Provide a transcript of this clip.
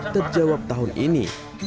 terjawab tahun ini